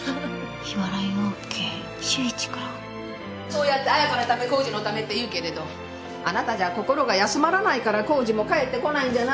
そうやって彩香のため功治のためって言うけれどあなたじゃ心が休まらないから功治も帰ってこないんじゃないの。